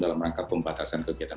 dalam rangka pembatasan kegiatan